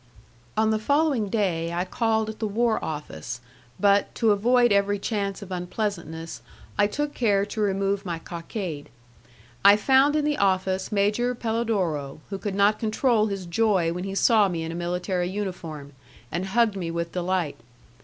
On the following day I called at the war office, but, to avoid every chance of unpleasantness, I took care to remove my cockade. I found in the office Major Pelodoro, who could not control his joy when he saw me in a military uniform, and hugged me with delight.